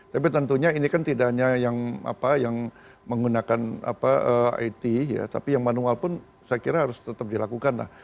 tapi tentunya ini kan tidak hanya yang menggunakan it ya tapi yang manual pun saya kira harus tetap dilakukan lah